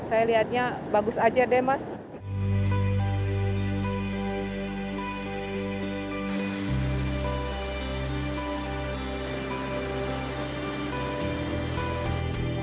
saya lihatnya bagus aja deh mas